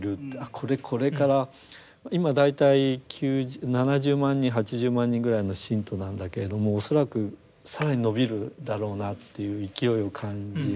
これこれから今大体７０万人８０万人ぐらいの信徒なんだけれども恐らく更に伸びるだろうなという勢いを感じましたね。